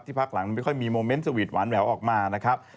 พักหลังมันไม่ค่อยมีโมเมนต์สวีทหวานแววออกมานะครับ